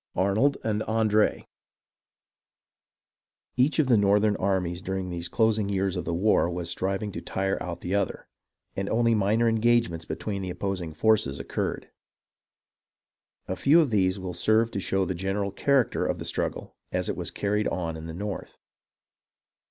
ARNOLD AND ANDRE Each of the northern armies during these closing years of the war was striving to tire out the other, and only minor engagements between the opposing forces occurred. A few of these will serve to show the general character of the struggle as it was carried on in the north.